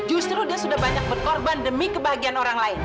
justru dia sudah banyak berkorban demi kebahagiaan orang lain